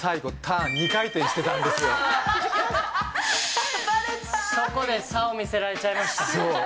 バレたそこで差を見せられちゃいました